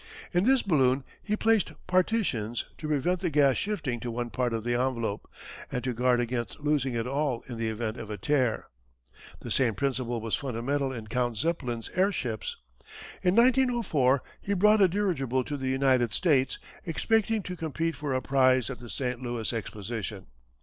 In this balloon he placed partitions to prevent the gas shifting to one part of the envelope, and to guard against losing it all in the event of a tear. The same principle was fundamental in Count Zeppelin's airships. In 1904 he brought a dirigible to the United States expecting to compete for a prize at the St. Louis Exposition.